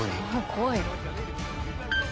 怖いよ。